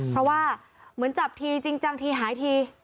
เพราะว่าเหมือนจับทีจริงจังทีหายที